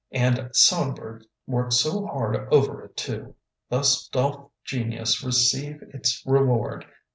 "And Songbird worked so hard over it, too! Thus doth genius receive its reward.